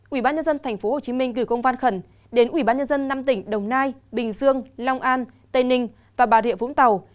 ubnd tp hcm gửi công văn khẩn đến ubnd năm tỉnh đồng nai bình dương long an tây ninh và bà rịa vũng tàu